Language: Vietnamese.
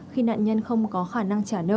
khi nạn nhân không có khả năng trả nợ